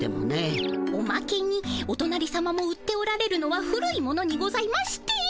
おまけにおとなりさまも売っておられるのは古い物にございまして。